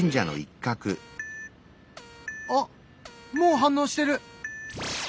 あっもう反応してる！